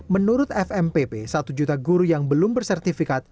menurut fmppp satu juta guru yang belum bersertifikat